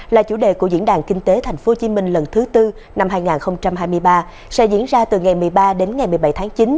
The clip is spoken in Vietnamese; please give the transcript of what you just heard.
là chủ đề của diễn đàn kinh tế tp hcm lần thứ tư năm hai nghìn hai mươi ba sẽ diễn ra từ ngày một mươi ba đến ngày một mươi bảy tháng chín